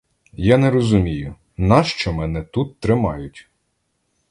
Я не розумію, нащо мене тут тримають?